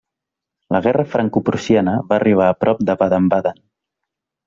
La guerra Francoprussiana va arribar a prop de Baden-Baden.